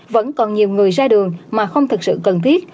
vẫn còn nhiều người ra đường mà không thực sự cần thiết